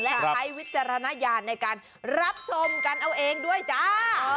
และใช้วิจารณญาณในการรับชมกันเอาเองด้วยจ้า